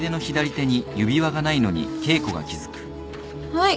はい。